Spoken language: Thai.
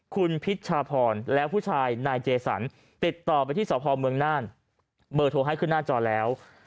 คุณพิชชาพรและผู้ชายนายเจสันติดต่อไปที่สพเมืองน่านเบอร์โทรให้ขึ้นหน้าจอแล้ว